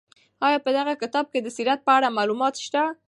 آیا په دغه کتاب کې د سیرت په اړه معلومات شته؟